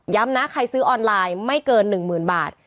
นะใครซื้อออนไลน์ไม่เกิน๑๐๐๐บาท